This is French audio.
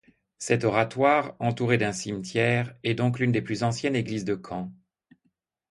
Cet oratoire, entouré d'un cimetière, est donc l'une des plus anciennes églises de Caen.